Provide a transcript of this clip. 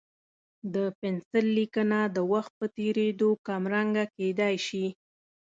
د پنسل لیکنه د وخت په تېرېدو کمرنګه کېدای شي.